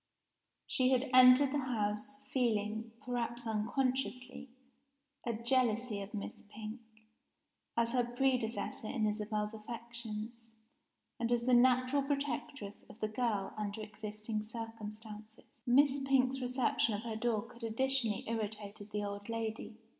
She had entered the house, feeling (perhaps unconsciously) a jealousy of Miss Pink, as her predecessor in Isabel's affections, and as the natural protectress of the girl under existing circumstances. Miss Pink's reception of her dog had additionally irritated the old lady.